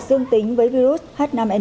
dương tính với virus h năm n một